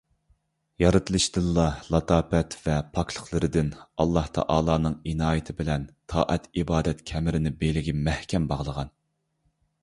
يارىتلىشدىنلا لاتاپەت ۋە پاكلىقلىرىدىن ئاللاھتائالانىڭ ئىنايىتى بىلەن تائەت - ئىبادەت كەمىرىنى بېلىگە مەھكەم باغلىغان.